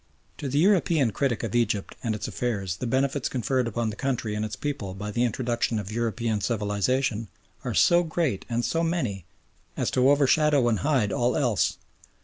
To the European critic of Egypt and its affairs the benefits conferred upon the country and its people by the introduction of European civilisation are so great and so many as to overshadow and hide all else.